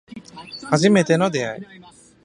初めての出会い